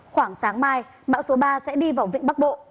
khoảng sáng mai bão số ba sẽ đi vào vịnh bắc bộ